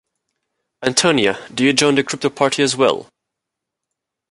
Antonia, do you join the crypto-party as well?